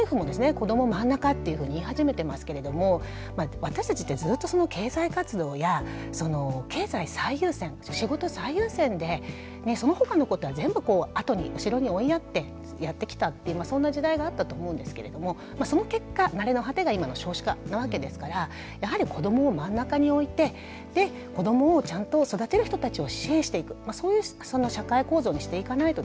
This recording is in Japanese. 「こどもまんなか」っていうふうに言い始めてますけれども私たちってずっと経済活動や経済最優先仕事最優先でその他のことは全部あとに後ろに追いやってやってきたっていうそんな時代があったと思うんですけれどもその結果成れの果てが今の少子化なわけですからやはり子どもをまんなかに置いてで子どもをちゃんと育てる人たちを支援していくそういう社会構造にしていかないとですね